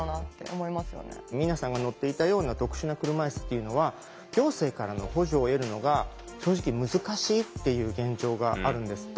明奈さんが乗っていたような特殊な車いすっていうのは行政からの補助を得るのが正直難しいっていう現状があるんですって。